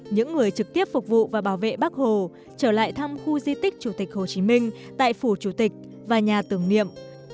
những người trực tiếp phục vụ và bảo vệ bác hồ trở lại thăm khu di tích chủ tịch hồ chí minh tại phủ chủ tịch và nhà tưởng niệm